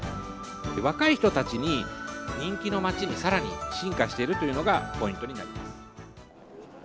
若い人たちに人気の街にさらに進化しているというのがポイントになります。